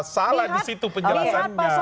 salah di situ penjelasannya